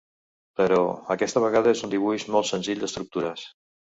Però, aquesta vegada és un dibuix molt senzill d'estructures.